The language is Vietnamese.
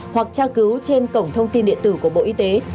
hoặc tra cứu trên cổng thông tin điện tử của bộ y tế